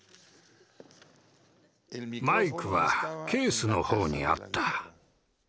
マイクはケースのほうにあった。